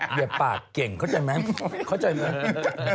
อย่าปากเก่งเข้าใจไหมเข้าใจไหม